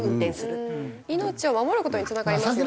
命を守る事につながりますよね。